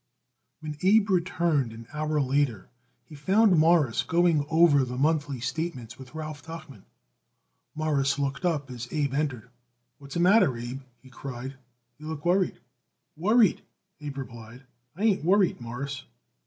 When Abe returned an hour later he found Morris going over the monthly statements with Ralph Tuchman. Morris looked up as Abe entered. "What's the matter, Abe?" he cried. "You look worried." "Worried!" Abe replied. "I ain't worried, Mawruss."